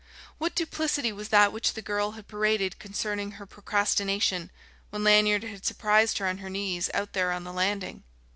What duplicity was that which the girl had paraded concerning her procrastination when Lanyard had surprised her on her knees out there on the landing?